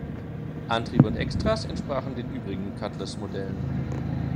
Antrieb und Extras entsprachen den übrigen Cutlass-Modellen.